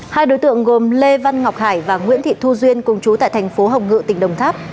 hai đối tượng gồm lê văn ngọc hải và nguyễn thị thu duyên cùng chú tại thành phố hồng ngự tỉnh đồng tháp